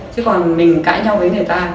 chứ còn mình cãi nhau với người ta